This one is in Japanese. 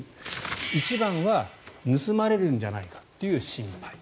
一番は盗まれるんじゃないかという心配。